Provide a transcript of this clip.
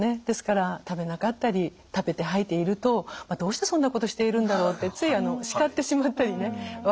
ですから食べなかったり食べて吐いているとどうしてそんなことをしているんだろうってつい叱ってしまったりね。